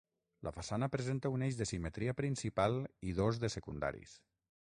La façana presenta un eix de simetria principal i dos de secundaris.